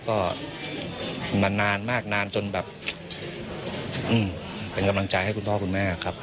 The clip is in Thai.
ก็มานานมากนานจนแบบเป็นกำลังใจให้คุณพ่อคุณแม่ครับ